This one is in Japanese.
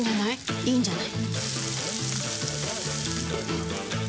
いいんじゃない？